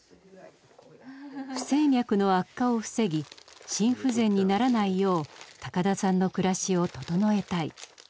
不整脈の悪化を防ぎ心不全にならないよう高田さんの暮らしを整えたい。